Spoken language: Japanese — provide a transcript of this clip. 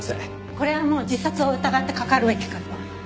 これはもう自殺を疑ってかかるべきかと。